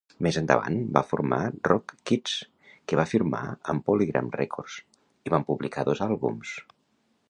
Més endavant van formar Rock Kids que va firmar amb Polygram Records i van publicar dos àlbums.